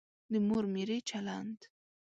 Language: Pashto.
د مور میرې چلند.